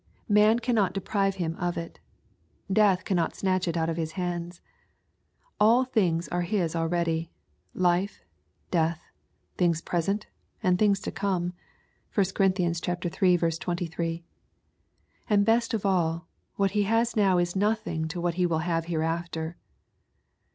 Man cannot deprive him of it. Death cannot snatch it out of his hands. All things are his already, — life, death, things present, and things to come. (1 Cor. iii. 23.) And best of all, what he has now is nothing to what he will have hereafter.